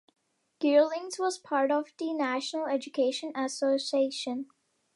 Geerlings was part of the National Education Association.